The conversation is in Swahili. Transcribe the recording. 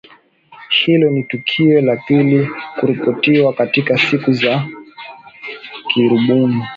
hilo ni tukio la pili kuripotiwa katika siku za karibuni